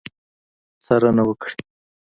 څارنه وکړي.